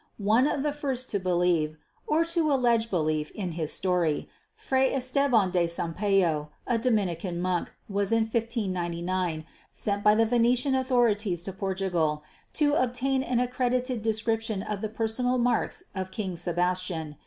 One of the first to believe or to allege belief, in his story, Fray Estevan de Sampayo, a Dominican monk, was in 1599, sent by the Venetian authorities to Portugal to obtain an accredited description of the personal marks of King Sebastian.